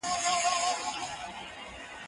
دا چپنه له هغه پاکه ده!.